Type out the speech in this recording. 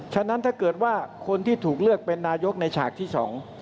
ฉะนั้นถ้าเกิดว่าคนที่ถูกเลือกเป็นนายกในฉากที่สอง